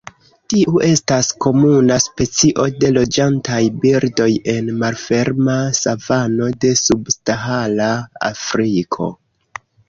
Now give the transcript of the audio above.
Tiu estas komuna specio de loĝantaj birdoj en malferma savano de Subsahara Afriko.